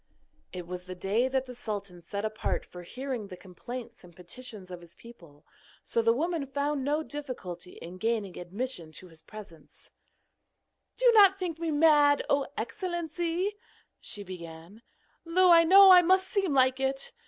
It was the day that the sultan set apart for hearing the complaints and petitions of his people, so the woman found no difficulty in gaining admission to his presence. [Illustration: LOVE AT FIRST SIGHT] 'Do not think me mad, O Excellency,' she began, 'though I know I must seem like it.